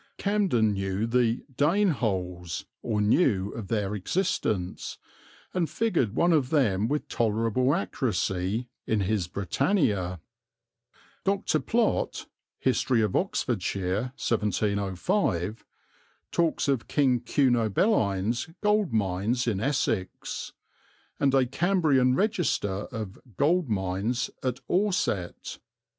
Camden knew the "Dane holes," or knew of their existence, and figured one of them with tolerable accuracy in his Britannia. Dr. Plot (History of Oxfordshire, 1705) talks of "King Cunobeline's Gold Mines in Essex," and a Cambrian Register of "Gold Mines at Orsett."